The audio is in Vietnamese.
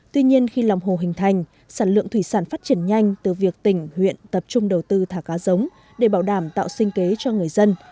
tuy nhiên khi lòng hồ hình thành sản lượng thủy sản phát triển nhanh từ việc tỉnh huyện tập trung đầu tư thả cá giống để bảo đảm tạo sinh kế cho người dân